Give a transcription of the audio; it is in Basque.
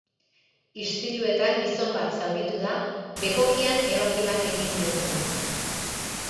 Istiluetan gizon bat zauritu da, bekokian ebaki bat egin diotelako.